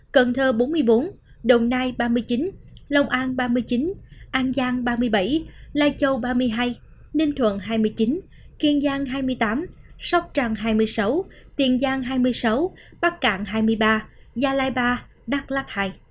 năm mươi bốn cần thơ bốn mươi bốn đồng nai ba mươi chín lòng an ba mươi chín an giang ba mươi bảy lai châu ba mươi hai ninh thuận hai mươi chín kiên giang hai mươi tám sóc tràng hai mươi sáu tiền giang hai mươi sáu bắc cạn hai mươi ba gia lai ba đắk lắc hai